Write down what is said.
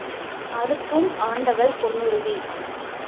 அறுத்தும் ஆண்டவள் பொன்னுருவி.